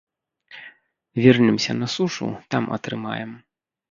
Вернемся на сушу, там атрымаем.